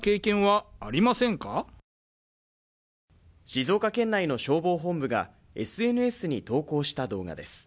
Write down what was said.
静岡県内の消防本部がＳＮＳに投稿した動画です